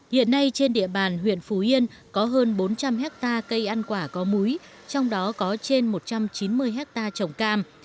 hiện nay trên địa bàn huyện phú yên có hơn bốn trăm linh hectare cây ăn quả có múi trong đó có trên một trăm chín mươi hectare trồng cam